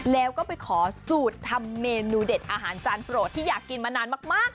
แล้วก็ไปขอสูตรทำเมนูเด็ดอาหารจานโปรดที่อยากกินมานานมาก